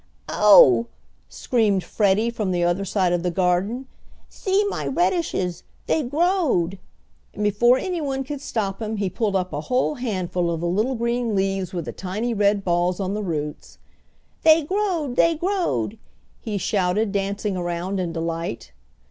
"Oh!" screamed Freddie from the other side of the garden. "See my redishes! They growed!" and before anyone could stop him he pulled up a whole handful of the little green leaves with the tiny red balls on the roots. "They growed! They growed!" he shouted, dancing around in delight.